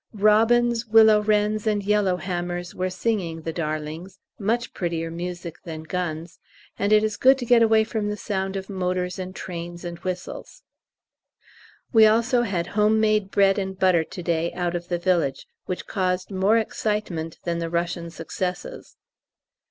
Robins, willow wrens, and yellow hammers were singing, the darlings, much prettier music than guns, and it is good to get away from the sound of motors and trains and whistles. We also had home made bread and butter to day out of the village, which caused more excitement than the Russian successes.